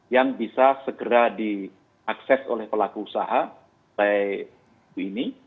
yang bisa segera diakses oleh pelaku usaha ini